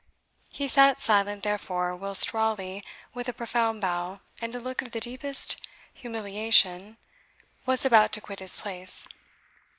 He sat silent, therefore, whilst Raleigh, with a profound bow, and a look of the deepest humiliation, was about to quit his place.